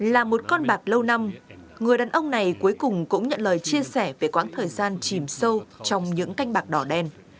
là một con bạc lâu năm người đàn ông này cuối cùng cũng nhận lời chia sẻ về quãng thời gian chìm sâu trong những canh bạc đỏ đen